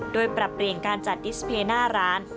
โดยปรับเปลี่ยนการจัดดิสเพย์หน้าร้าน